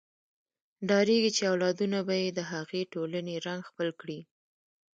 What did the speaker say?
ډارېږي چې اولادونه به یې د هغې ټولنې رنګ خپل کړي.